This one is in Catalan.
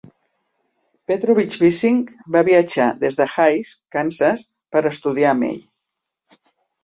Petrowitsch Bissing va viatjar des de Hays, Kansas, per estudiar amb ell.